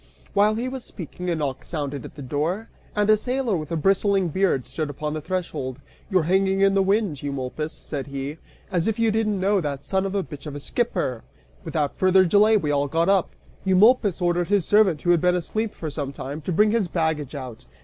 While he was speaking, a knock sounded at the door, and a sailor with a bristling beard stood upon the threshold. "You're hanging in the wind, Eumolpus," said he, "as if you didn't know that son of a bitch of a skipper!" Without further delay we all got up. Eumolpus ordered his servant, who had been asleep for some time, to bring his baggage out.